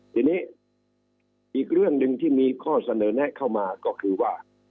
ทีนี้อีกเรื่องหนึ่งที่มีข้อเสนอแนะเข้ามาก็คือว่า